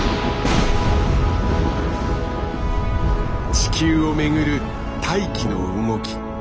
地球を巡る大気の動き。